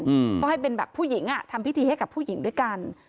อืมก็ให้เป็นแบบผู้หญิงอ่ะทำพิธีให้กับผู้หญิงด้วยกัน